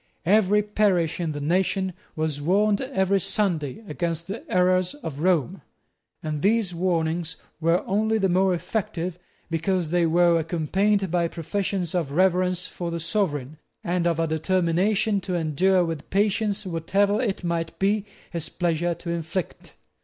Every parish in the nation was warned every Sunday against the errors of Rome; and these warnings were only the more effective, because they were accompanied by professions of reverence for the Sovereign, and of a determination to endure with patience whatever it might be his pleasure to inflict.